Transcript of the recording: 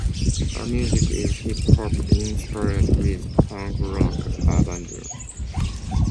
Her music is "hip-hop inspired with punk rock abandon".